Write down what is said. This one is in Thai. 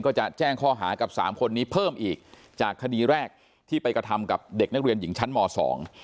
ก็จะแจ้งข้อหากับสามคนนี้เพิ่มอีกจากคดีแรกที่ไปกระทำกับเด็กนักเรียนหญิงชั้นมสอง